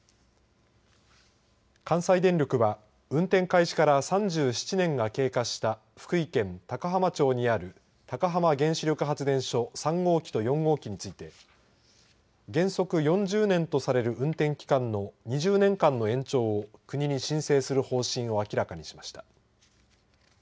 関西電力は運転開始から３７年が経過した福井県高浜町にある高浜原子力発電所３号機と４号機について原則４０年とされる運転期間の２０年間の延長を国に申請する方針を明らかにしました。